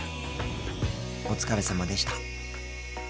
お疲れさまでした。